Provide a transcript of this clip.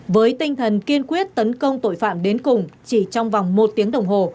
với tinh thần kiên quyết tấn công tội phạm đến cùng chỉ trong vòng một tiếng đồng hồ